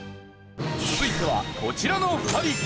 続いてはこちらの２人。